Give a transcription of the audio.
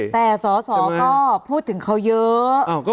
แต่สอสอก็พูดถึงเขาเยอะ